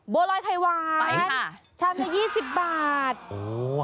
บัวรอยไขว้ไปค่ะชามละ๒๐บาทโอ้ค่ะ